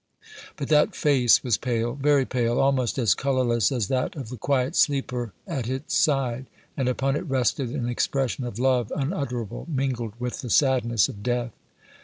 But that face was pale, very pale, almost as colorless as that of the quiet sleeper at its side, and upon it rested an expression of love unutterable, mingled with the sadness of death.